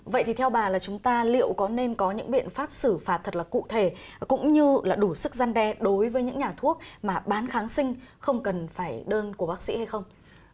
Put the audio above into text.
vậy thì theo bà là chúng ta liệu có nên có những biện pháp xử phạt thật là cụ thể cũng như là đủ sức gian đe đối với những nhà thuốc mà bán kháng sinh không cần phải đơn của bác sĩ hay không